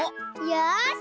よし！